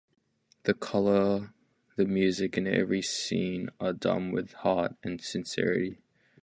The color, the music and every scene are done with heart and sincerity.